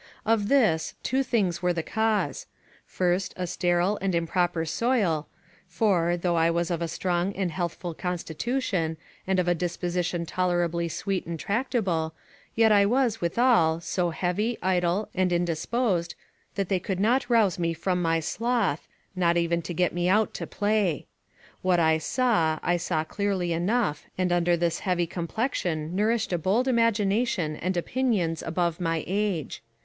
Of this, two things were the cause: first, a sterile and improper soil; for, though I was of a strong and healthful constitution, and of a disposition tolerably sweet and tractable, yet I was, withal, so heavy, idle, and indisposed, that they could not rouse me from my sloth, not even to get me out to play. What I saw, I saw clearly enough, and under this heavy complexion nourished a bold imagination and opinions above my age.